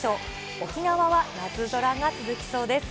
沖縄は夏空が続きそうです。